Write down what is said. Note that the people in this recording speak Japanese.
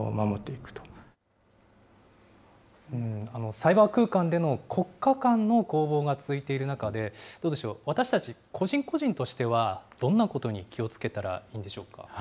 サイバー空間での国家間の攻防が続いている中で、どうでしょう、私たち、個人個人としては、どんなことに気をつけたらいいんでしょうか。